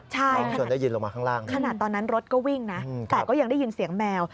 ใช่ขนาดตอนนั้นรถก็วิ่งนะแต่ก็ยังได้ยินเสียงแมว